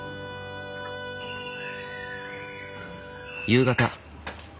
夕方。